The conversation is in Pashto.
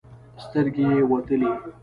سترګې يې وتلې.